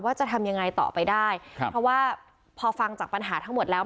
จะทำยังไงต่อไปได้ครับเพราะว่าพอฟังจากปัญหาทั้งหมดแล้ว